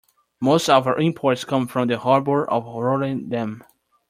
Most of our imports come from the harbor of Rotterdam.